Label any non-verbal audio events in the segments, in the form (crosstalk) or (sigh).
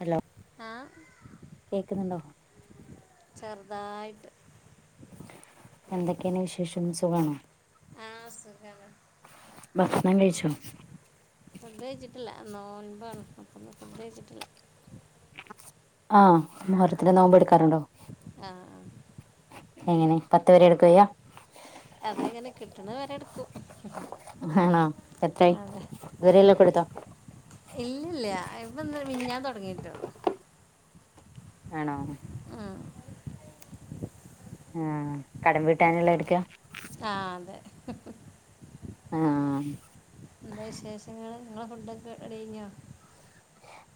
Hello, കേക്കുന്നുണ്ടോ. ചെർദായിട്ട്. എന്തൊക്കെണ്ട് വിശേഷം സുഖണോ. പ്പ സുഖാണ്. ഭക്ഷണം കഴിച്ചോ ഫുഡ് കഴിച്ചിട്ടില്ല നോൽമ്പാണ് അപ്പൊ ഫുഡ് കഴച്ചിട്ടില്ല. ആഹ് മുഹറത്തിലെ നോമ്പ് എടുക്കാറുണ്ടോ. ആ എങ്ങനെ പത്ത് വരെ എടുക്കുകയാ. അതെങ്ങനെ, കിട്ട്ണ വരെ ഇട്ക്കും. ആണാ എത്രായി ഇതുവരെള്ളെക്കേ എടുത്തോ. ഇല്ല്യല്ലാ ൻക്കിന്ന് മിഞ്ഞാന്ന് തൊടങ്ങീട്ടെള്ളൂ. ആണോ. ആഹ്. ആഹ് കടം വീട്ടാനുള്ളത് എട്ക്കാ. ആഹ് അതെ. ആഹ്. എന്താ വിശേഷങ്ങള് ഇങ്ങളെ ഫുഡെക്കെ ഇടൈഞ്ഞോ.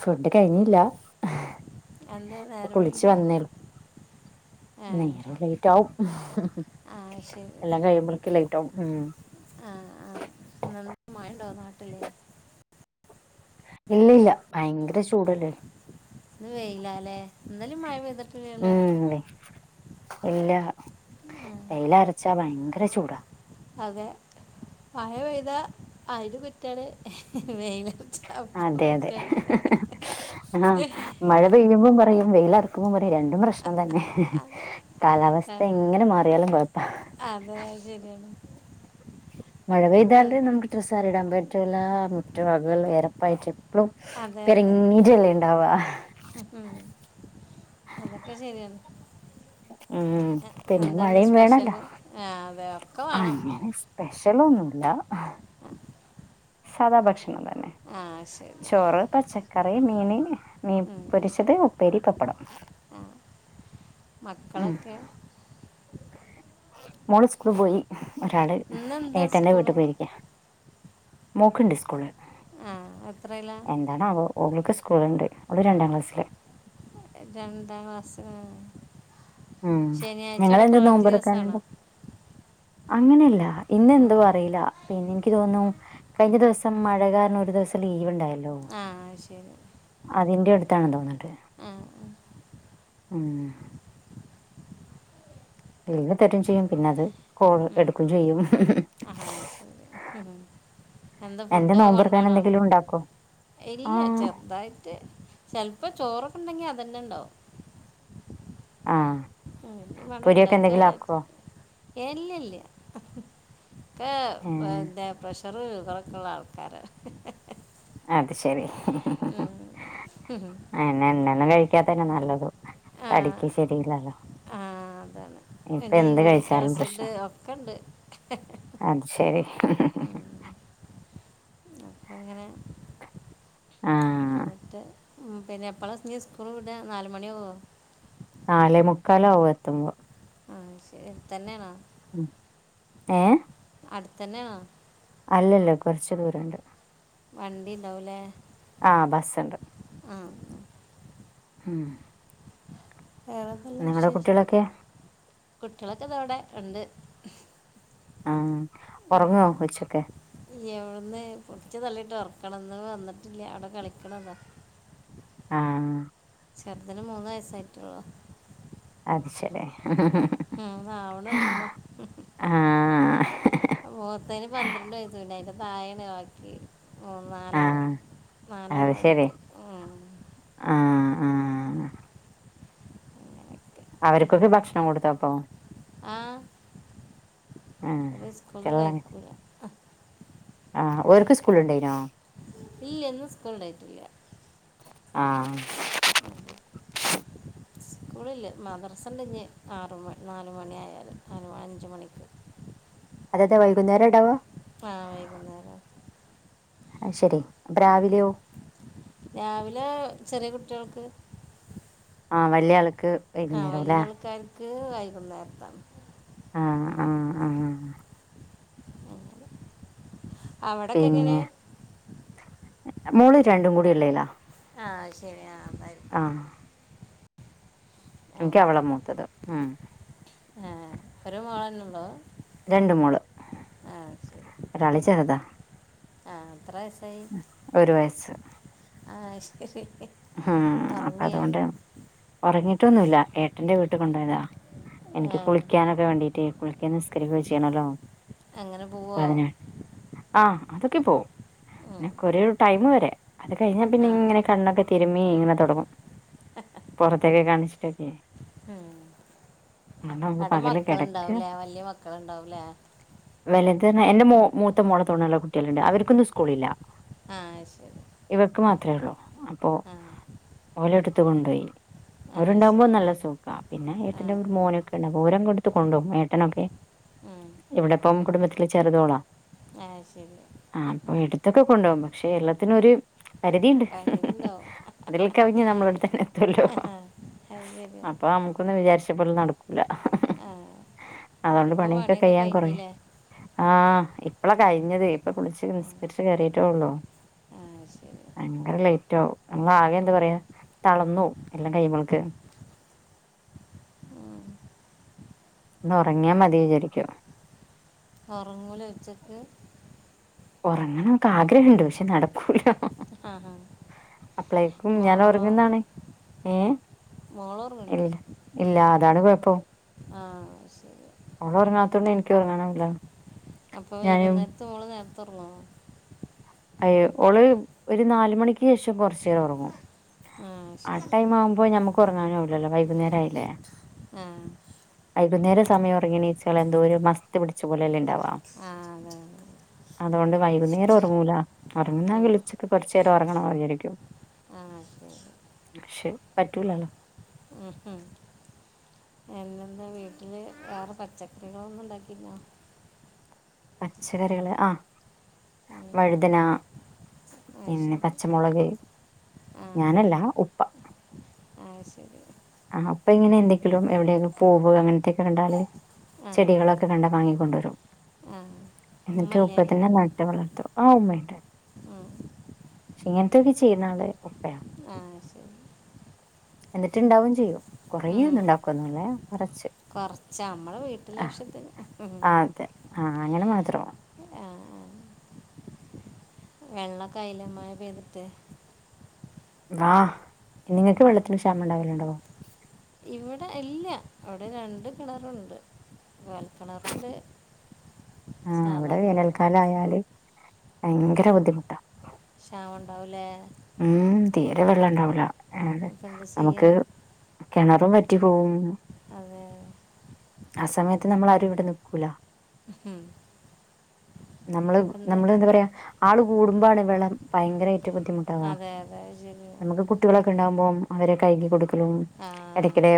ഫുഡ് കഴിഞ്ഞില്ല. എന്താ ഇപ്പൊ നേരം വഴ്കി. ലൈറ്റവും ആ എല്ലാം കഴിയുമ്പള്. ലൈറ്റാവും ഉം. ആഹ് ആഹ് ന്നന്ത മയണ്ടോ നാട്ടില് ഇല്ലില്ല, ഭയങ്കര ചൂടല്ലേ. ഇന്ന് വെയിലാ ല്ലേ. ഉം ഇല്ല ആ വെയിലാ വെയില ച്ചാ ഭയങ്കര ചൂടാ അതെ മഴ പെയ്താ അയിന് കുറ്റാണ് വെയില് അതെ അതെ ആ മഴ പെയ്യുമ്പോ പറയും വെയില ക്കുമ്പോ പറയും രണ്ടും പ്രശ്നം തന്നെ അതെ ആ, കാലാവസ്ഥ എങ്ങനെ മാറിയാലും കുഴപ്പാ അതെ അയ് ശരിയാണ്. മഴ അതെ പെയ്താല് നമുക്ക് ഡ്രസ്സ് ആറിടാൻ പറ്റൂലാ മുറ്റം അതെല്ലാം എരപ്പായിട്ട് അതെ അതെ (unintelligible) ഉണ്ടാവാ അതൊക്കെ ശരിയണ്. ഉം പിന്നെ എന്താന്ന് മഴയും വേണല്ലോ സ്പെഷ്യല് ആ അതെയോ അങ്ങനെ സ്പെഷ്യലൊന്നുല്ല സാധാ ഭക്ഷണം തന്നെ. ആ ശരി ചോറ്, പച്ചക്കറി, മീന് മീൻ ഉം, പൊരിച്ചത്, ഉപ്പേരി, പപ്പടം ആ ഉം മക്കളൊക്കെ മോള് സ്കൂള് പോയി ഒരാള് ഇന്നെന്താ എട്ടന്റെ വീട്ടിൽ സ്കൂള് പോയിരിക്ക മോൾക്കിണ്ട് സ്കൂള്. ആ എത്രയിലാ എന്താണാവോ ഓൾക്ക് സ്കൂളുണ്ട്. അവള് രണ്ടാം ക്ലാസിലാ രണ്ടാം ക്ലാസ് ഉം നിങ്ങളെന്ത് നോമ്പെടുക്കാഞ്ഞത് അങ്ങനെയല്ല ഇന്ന് എന്തോ അറിയില്ല. പിന്നെ എനിക്ക് തോന്ന്ണു കഴിഞ്ഞ ദിവസം മഴ കാരണം ഒരു ദിവസം ലീവ് ഉണ്ടായല്ലോ ആ ശരി അതിന്റെ അടുത്താണ് തോന്ന്ണ്ട് ആ ഉം ഇല്ലെന്ന് തെറ്റും ചെയ്യും പിന്നെ അത് കോൾ എടുക്കും ചെയ്യും ആഹ് ശരി എന്താ എന്റെ ഫുഡൊക്കെ നോമ്പറക്കാൻ കൊണ്ടോണോ എന്തെങ്കിലും ഉണ്ടാക്കോ? ഇല്ല ആഹ് ചെറുതായിറ്റ് ചെലപ്പോ ചോറൊക്കെ ഉണ്ടെങ്കി അതന്നെ ഉണ്ടാവും ആഹ് ഇഞ്ഞിപ്പാണ്ട് പൊരിയൊക്കെ ഉണ്ടാക്കാ എന്തെങ്കിലും വിചാരിച്ച് ആക്കോ? ഏയ് ഇല്ലല്ല ഇപ്പ ഏഹ് ദേ പ്രശ് റ് ശുഗറൊക്കെ ഉള്ള ആൾക്കാരാ. അത് ശരി ഉം. എണ്ണ ഒന്നും കഴിക്കാത്തന്നെ നല്ലത് തടിക്ക് ശരിയല്ലല്ലോ. ആഹ് അതാണ് ഇപ്പൊ പിന്നെ എന്ത് യൂറിക് കഴിച്ചാലും പ്രശ്നാ. ആസിഡ് ഒക്കെണ്ട് അത് ശരി ഉ അപ്പം അങ്ങനെ ആഹ് എന്നിട്ട് പിന്നെ എപ്പളാ ഇനി സ്കൂള് വിട്ക. നാല് മണിയാകുമോ നാലെ മുക്കാലാകും എത്തുമ്പം. അത് ശരി തന്നെയാണോ ഉം. ഏഹ് അടുത്തന്നെ ആണോ അല്ലല്ല കൊറെച്ച് ദൂരണ്ട്. വണ്ടി ഇണ്ടാവുംലേ ആ ബസ്ണ്ട്. ഉം ഉം വെറെന്തെല്ലാം നിങ്ങടെ വിശേഷം കുട്ടികളൊക്കെ കുട്ടികളൊക്കെ ഇതാ ഇവടെ ഉണ്ട്. ആഹ്. ഉറങ്ങുവാ കൊച്ചെക്കെ. ഏന്ന് പിടിച്ച് തള്ളിട്ട് ഉറക്കണം ന്ന് വന്നിട്ടില്ല. അവെടെ കളിക്കണതോ. ആഹ് ചെറുതിന് മൂന്ന് വയസ്സായിട്ടൊള്ളു. അത് ശെരി ഉം ഹും മൂന്നാവിനെള്ളൂ ആഹ് മൂത്തേന് പന്ത്രണ്ട് വയസ്സെയുള്ളൂ. അയിന്റെ തായേണ് ബാക്കി. ഉം നാലാള്. ആഹ് നാലാൾ അത് ശരി. തായിക്ക്. ഉം ആഹ് ആഹ് അങ്ങനെയൊക്കെ അവര്ക്കോക്കെ ഭക്ഷണം കൊടുത്തപ്പൊ? ആ ആഹ്. ഒരു സ്കൂളിൽ നിന്ന് (unintelligible) കഴിക്കൂല ആഹ് ഓര്ക്ക് സ്കൂളൊണ്ടോയിനോ ഇല്ലാ ഇന്ന് സ്കൂൾ ണ്ടായിട്ടില്ല. ആഹ് ഉം. സ്കൂളില്ല മദ്രസ ഉണ്ട് ഇഞ്ഞി ആറ് മണി നാല് മണിയായാലും അ അഞ്ച് മണിക്ക് അതെന്ത വൈകുന്നേരം ഉണ്ടാവാ ആഹ് വൈകുന്നേരം അത് ശരി അപ്പ ഉം. രാവിലെയോ രാവിലെ ചെറിയ കുട്ടികൾക്ക് ആഹ് വലിയാൾക്ക് ആഹ് വലിയ ആൾക്കാർക്ക് വൈകുന്നേരത്താണ് ആഹ് ആഹ് ആഹ് അങ്ങനെ അവിടൊക്കെ എങ്ങനെ പിന്നെ മോള് രണ്ടും കൂടി ഉള്ളിലാ ആ അത് ശരി അതായിരിക്കും എനിക്ക് അവള മൂത്തത് ഉം ഏഹ് ഒര് മോള് തന്നെയുള്ളൂ രണ്ട് മോള് ഒരാള് ചെറുതാ ആഹ് എത്രാവയസായി ഒരു വയസ്സ് ആഹ് ശരി ഉം അപ്പൊ ഉറങ്ങിയോ അതുകൊണ്ട് ഉറങ്ങിട്ടൊന്നുമില്ല ഏട്ടന്റെ വീട്ടിൽ കൊണ്ടോയതാ ആ എനിക്ക് കുളിക്കാനൊക്കെ വേണ്ടീട്ടേ കുളിക്കാൻ നിസ്കരിക്കുവോ ചെയ്യണല്ലോ അങ്ങനെ അപ്പൊ പോവോ അതിന് ആഹ് അതൊക്കെ പോവും ഉം. പിന്നെ കുറെ ഒരു ടൈം വരെ അത് കഴിഞ്ഞ പിന്നെ ആ ഇങ്ങനെ കണ്ണൊക്കെ തിരുമ്മി ഇങ്ങനെ തൊടങ്ങും പുറത്തേക്കെ കാണിച്ചിട്ടൊക്കെ ഉം അതുകൊണ്ട് നമുക്ക് അവിടെ പകല് കിടക്ക മക്കളുണ്ടാവൂലേ വലിയ മക്കളുണ്ടാവുലേ വെലത് എന്റെ മൂത്ത മോള തോണുള്ള കുട്ടികളുണ്ട് അവർ അവർകൊന്നും സ്കൂളില്ല ആ ഇവർക്ക് മാത്രമേ ഉള്ളൂ അപ്പോ ഉം ഓലെടുത്ത് കൊണ്ടോയി അവരുണ്ടാവുമ്പോ ശരി നല്ല സുക്കാണ് പിന്നെ ആ ഏട്ടന്റെ ഒരു ഉം. മോനൊക്കെണ്ടാവും ഓര് അങ്ങോട്ട് എടുത്ത് കൊണ്ട് പോകും ഏട്ടനൊക്കെ ഉം. ഇവിടപ്പം കുടുംബത്തി ചെറുതോളാ ആ ശരി ആഹ് അപ്പൊ എടുത്തൊക്കെ കൊണ്ടുപോകും പക്ഷെ എല്ലാത്തിനൊരു പരിധിണ്ട് ഉണ്ടോ അതിൽ കവിഞ്ഞ് നമ്മളെ അവിടെത്തന്നെ എത്തുവല്ലോ അത് ശരി അപ്പൊ നമുക്കൊന്ന് വിചാരിച്ചപ്പോലെ നടക്ക കൂല. ആ അതൊണ്ട് അതിപ്പോൾ പണിയൊക്കെ കഴിയാൻ കൊറേ കഴിഞ്ഞില്ലേ ആഹ് ഇപ്പളാ കഴിഞ്ഞതേ ഇപ്പൊ കുളിച്ച് ആ നിസ്കരിച്ച് കേറീറ്റൊള്ളു. ആ ശരി ഭയങ്കര ലേറ്റാവും. നമ്മള് ആകെ എന്താ പറയാ തളർന്നു പോവും എല്ലം കഴിയുമ്പോൾക്ക്. ഉം ഒന്ന് ഒറങ്ങിയാ മതി വിചാരിക്കും. ഒറങ്ങൂലെ ഉച്ചക്ക്? ഒറങ്ങണംന്നൊക്കെ ആഗ്രഹണ്ട് പക്ഷെ നടക്കൂല. ആഹ് ഹാ. അപ്ളേക്കും ഞാൻ ഒറങ്ങുന്നാണ്. ഏഹ്? മോള് ഉറങ്ങില്ലേ ഇല്ല ഇല്ല അതാണ് കുഴപ്പം. ആഹ് ശരി. ഓള് ഒറങ്ങാത്തൊണ്ട് ഇൻക്ക്യും ഒറങ്ങാനാവൂല. അപ്പോ വൈകുന്നേര്ത്ത് ഓള് നേര്ത്തെ ഒറങ്ങോ? അയ്യോ ഓള് ഒരു നാല് മണിക്ക് ശേഷം കൊറച്ചേരം ഒറങ്ങും. ആ ടൈം ആവുമ്പോ ഞമക്ക് ഒറങ്ങാനാവൂല്ലല്ലോ വൈകുന്നേരം ആയില്ലേ. ആഹ്. വൈകുന്നേര സമയം ഒറങ്ങി എണീച്ചാല് എന്തോ ഒരു മസ്ത്ത് പിടിച്ച പോലെ അല്ലെ ഉണ്ടാവാ. ആ അതെ അതെ അതുകൊണ്ട് വൈകുന്നേരം ഒറങ്ങൂല. ഉം. ഒറങ്ങുന്നെങ്കിൽ ഉച്ച ക്ക് കൊറച്ചേരം ഒറങ്ങണോന്ന് വിചാരിക്കും. ആഹ് ശരി. പക്ഷെ പറ്റൂലാല്ലോ. ഉംഹും. പിന്നെന്താ വീട്ടില് വേറെ പച്ചക്കറികളൊന്നും ഉണ്ടാക്കീട്ട്ല്ലാ? പച്ചക്കറികള് ആഹ് വഴുതന ആ പിന്നെ പ ശരി പച്ചമുളക് ഞാനല്ല ഉപ്പ. ആഹ് ശരി. ആഹ് ഉപ്പ ഇങ്ങനെ എന്തെങ്കിലും എവിടെയെക്കെ പൂവ് അങ്ങനത്തെക്കെ കണ്ടാല്, ആ ചെടികളൊ ക്കെ കണ്ടാ വാങ്ങിക്കൊണ്ടരും. ആ എന്നിട്ട് ഉമ്മല്ലേ ഉപ്പ തന്നെ ന ട്ട് വളർത്തും. ആ ഉമ്മയുണ്ട്. ഉം. പക്ഷെ ഇങ്ങനത്തെയൊക്കെ ചെയ്യുന്ന ആള് ഉ ആഹ് ശരി. എന്നിട്ട്ണ്ടാവും ചെയ്യും കൊറേയൊന്നും ഉണ്ടാക്കൊന്നില്ലെ കൊറച്ച്. കൊറച്ച് നമ്മളെ ആഹ് വീട്ടിലാവശ്യത്തിന്. ഉംഹുംഹും. അതെ ആഹ് അങ്ങനെ മാത്രമാണ്. ആഹ്. വെള്ളൊക്കെ ആയില്ലെ മയ പെയ്തിട്ട്? ആഹ് നിങ്ങക്ക് വെള്ളത്തിന് ക്ഷാമം ണ്ടാവലുണ്ടോ? ഇവടെ ഇല്ല അവിടെ രണ്ട് കിണറുണ്ട് കുയൽ കിണറൂണ്ട്. ആഹ് ഇവടെ വേനൽക്കാലായാല് ഭയങ്കര ബുദ്ധിമുട്ടാ. ക്ഷാമം ണ്ടാവുലേ. ഉം തീരെ വെള്ളണ്ടാവൂല ഏട് അപ്പം എന്ത് ചെയ്യാ നമുക്ക് കെണറും വറ്റി പോവും. അതെ (unintelligible) ആ സമയത്ത് നമ്മളാരും ഇവിടെ നിക്കൂല. ഉം. നമ്മള് അപ്പം എന്ത് നമ്മള് എന്താ പറയാ ആൾ കൂടുമ്പോണ് വെളം ഭയങ്കര ബുദ്ധിമു അതെ അതെ ശരിയ കുട്ടികളൊക്കെ ഉണ്ടകുമ്പോം അവരെ കഴുകി കൊടുക്കലും ആ ഇടക്കിടെ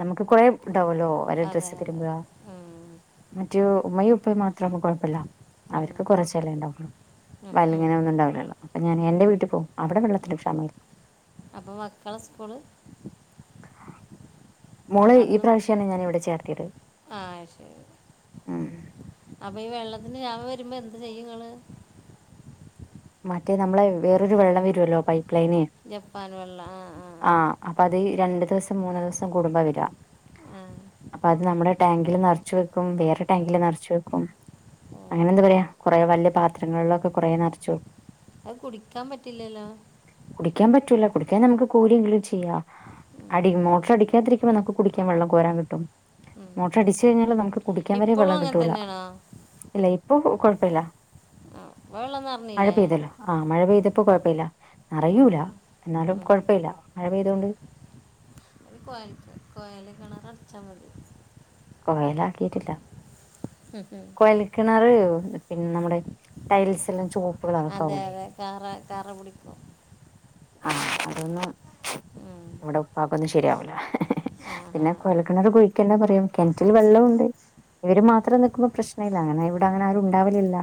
നമുക്ക് കുറെേ ഉണ്ടാവല്ലോ ഒരേ അതെ ഡ്രസ്സ് അതെ തിരുമ്പ ഉം, മറ്റേ ഉമ്മയും ഉപ്പയും മാത്രം ആകുമ്പോ കുഴപ്പമില്ല ഉം, അവർക്ക് കുറച്ചല്ലേ ഉണ്ടാകൊള്ളു ഉം, വല്ല ഉം. ഇങ്ങനെ ഒന്നും ഉണ്ടാവില്ലല്ലോ അപ്പൊ ഞാൻ എന്റെ വീട്ടിൽ പോവും അവിടെ വെള്ളത്തിന് ക്ഷാമം ഇല്ല അപ്പൊ മക്കളെ സ്കൂള് മോളെ ഈ അവിടുന്ന് പ്രാവശ്യമാണ് ഞാൻ ഇവിടെ ചേർത്തിയത് ആ ശരി ഉം അപ്പം ഈ വെള്ളത്തിന് ക്ഷാമം വരുമ്പോൾ എന്ത് ചെയ്യുംങ്ങൾ മറ്റേ നമ്മളെ വേറൊരു വെള്ളം വരുമല്ലോ പൈപ്പ് ലൈന് ജപ്പാൻ വെള്ളം ആ ആ ആഹ് അപ്പൊ അത് രണ്ടു ദിവസം മൂന്ന് ദിവസം കൂടുമ്പ വരാ ആഹ് അപ്പൊ അത് നമ്മുടെ ടാങ്കില് നിറച്ചു വെക്കും വേറെ ടാങ്കില് നിറച്ചു വെക്കും ഓ അങ്ങനെ എന്താ പറയാ കുറെേ വലിയ പാത്രങ്ങളിലൊക്കെ കുറേ നറച്ചു വെക്കും അത് കുടിക്കാൻ പറ്റില്ലല്ലോ കുടിക്കാൻ പറ്റൂല കുടിക്കാൻ നമുക്ക് കോര്യങ്കിലും ചെയ്യാം അടി മോട്ടർ അടിക്കാത്തിരിക്കുമ്പോ നമുക്ക് കുടിക്കാൻ വെള്ളം കോരാൻ കിട്ടും മോട്ടർ അടിച്ച കഴിഞ്ഞാൽ നമുക്ക് കുടിക്കാൻ വരെേ ഇപ്പോഴും വെള്ളം അങ്ങനെ കിട്ടൂല തന്നെയാണോ ഇല്ല ഇപ്പൊ കുഴപ്പമില്ല ആഹ് ഇപ്പൊ വെള്ളം ന്ന മഴ പെയ്തല്ലോ ആ മഴ പെയ്തപ്പോ കുഴപ്പമല്ല നിറയൂല എന്നാലും കുഴപ്പമില്ല മഴ പെയ്തുകൊണ്ട് ഒരു കൊ കൊയൽ കിണറ് അടിച്ചാൽ മതി കൊയല ആക്കിയിട്ടില്ല ഉം ഹ് ഹ് കിണർ പിന്നെ നമ്മുടെ ടൈൽസ് എല്ലാം ചോപ്പ് അതെ അതെ കറ കറ പിടിക്കും ആഹ് അതൊന്ന് ഉം. നമ്മടെ ഉപ്പാക്കൊന്നും ശരിയാവൂല ആ ആ പിന്നെ കുഴൽക്കിണർ കുഴിക്കണ്ടാ പറയും കിണറ്റിൽ വെള്ളംണ്ട് ഇവര് മാത്രം നൽക്കുമ്പോ പ്രശ്ന ഇല്ല അങ്ങനെ ഇവിടെ അങ്ങനെ ആരുംണ്ടാവലില്ല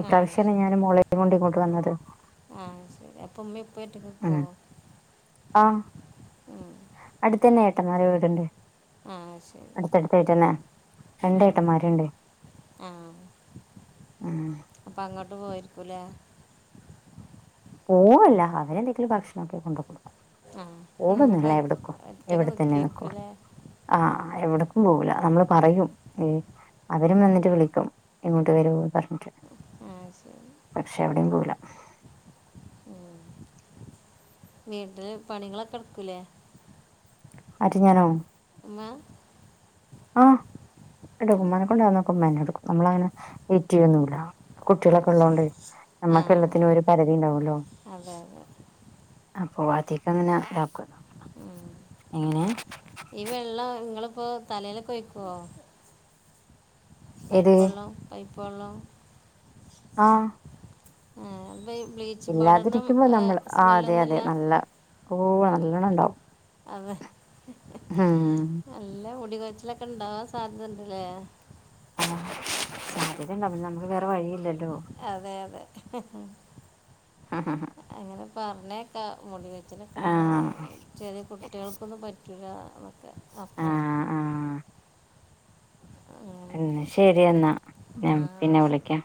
ഈ ആ പ്രാവശ്യാണ് ഞാൻ മോളെ കൊണ്ട് ഇങ്ങോട്ട് വന്നത് ആഹ് ശരി അപ്പൊ ഉമ്മയും ഉപ്പയും ഒക്കെ ഒറ്റക്ക് നിൽക്കോ ഉം ആഹ് അടുത്തന്നെ ഏട്ടൻ മാരെ വീടുണ്ട് ആഹ് ശരി അടുത്തടുത്തായിട്ടന്നെ രണ്ട് ഉം ഏട്ടന്മാരുണ്ട് ആഹ് ഉം അപ്പൊ അങ്ങോട്ട് പോയിരിക്കൂല്ലേ പോവല്ല അവരെന്തെങ്കിലും ഭക്ഷണൊക്കെ കൊണ്ട് കൊടുക്കും ആ ഉം. പോവുന്നും ഇല്ല എവിടേക്കും ഒറ്റക്ക് ഇവിടെതന്നേ നിക്കൊള്ളൂ നിൽക്കിയിരിക്കൂലേ ആഹ് എവിടക്കും പൊവൂലനമ്മള് പറയും ഏഹ് അവരും വന്നിട്ട് വിളിക്കും ഇങ്ങോട്ട് വരോ പറഞ്ഞിട്ട് ആഹ് ശരി പക്ഷെ അവിടേയും പോവൂല ഉം വീട്ടിൽ പണികളൊക്കെ എടുക്കൂല്ലേ ആര് ഞാനോ ഉമ്മാ ആഹ് എന്റെ ആ ഉമ്മാനെ കൊണ്ട് ആവുന്നതൊക്കെ ഉമ്മ തന്നെ എടുക്കും നമ്മള് അങ്ങനെ വെയിറ്റ് ചെയ്യൊന്നും ഇല്ലാ ആ കുട്ടികളൊക്കെ ശരി ഉള്ളതൊണ്ടെയ് ആ നമ്മക്ക് ആ എല്ലത്തിനും ഒരു പരിധി ഉണ്ടാവൊല്ലോ അതെ അതെ അതെ അപ്പോ അധികം അങ്ങനെ ഇതാക്കൊല്ലൊ ഉം. എങ്ങനേ ഈ വെള്ളം ഇങ്ങള് ഇപ്പോ തലയിലൊക്കെ ഒഴിക്കുവോ പൈപ്പ് ഏത് വെള്ളം പൈപ്പ് വെള്ളം ആഹ് (unintelligible) ഇല്ലാതിരിക്കുമ്പം നമ്മള് ആഹ് അതെ അതെ സ്മെല്ലൊന്നുമില്ല നല്ല ഓഹ് നല്ലോണം ഉണ്ടാവും അതെ ആഹ് നല്ല മുടി കൊഴിച്ചിലൊക്കെ ഉണ്ടാവാൻ സാധ്യത ഉണ്ട് അല്ലേ ആഹ് സാധ്യത ഉണ്ടാവും പിന്നെ നമുക്ക് വേറെ വഴി ഇല്ലല്ലോ അതെ അതെ (unintelligible) അങ്ങനെ പറഞ്ഞത് കേൾക്ക മുടി കൊഴിച്ചില് ഒക്കെ ഉണ്ടാവും ആഹ് ചെറിയ കുട്ടികൾക്കൊന്നും പ റ്റൂല എന്നൊക്കെ അപ്പൊ ആഹ് എന്നാ അങ്ങനെയൊക്കെ ശരി എന്നാ ആ ഞാൻ പിന്നെ ശരി വിളിക്കാം